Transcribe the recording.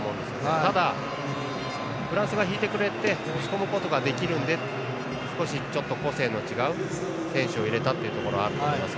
ただ、フランスが引いてくれて押し込むことができるので少し個性の違う選手を入れたというところはあると思います。